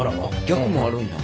逆もあるんや。